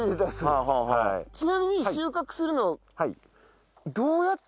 ちなみに収穫するのは。